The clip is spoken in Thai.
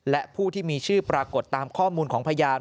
และผู้ที่มีชื่อปรากฏตามข้อมูลของพยาน